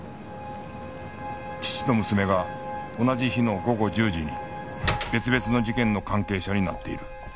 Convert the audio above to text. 父と娘が同じ日の午後１０時に別々の事件の関係者になっている